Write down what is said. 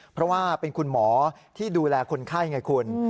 เพราะว่าเป็นคุณหมอที่ดูแลคนไข้ไงคุณ